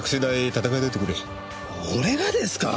俺がですか？